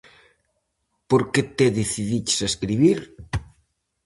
Por que te decidiches a escribir?